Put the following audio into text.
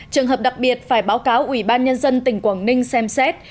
trường hợp đặc biệt phải báo cáo ủy ban nhân dân tỉnh quảng ninh xem xét